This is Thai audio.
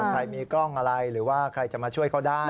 ใครมีกล้องอะไรหรือว่าใครจะมาช่วยเขาได้